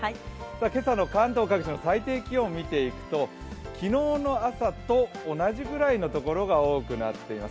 今朝の関東各地の最低気温を見ていくと、昨日の朝と同じぐらいのところが多くなってきています。